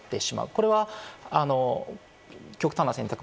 これは極端な選択。